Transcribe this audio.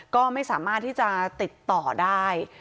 ก็ไม่สามารถที่จะติดต่อได้